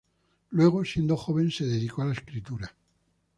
Luego, siendo joven, se dedicó a la escritura.